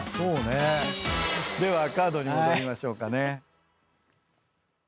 ではカードに戻りましょうかね。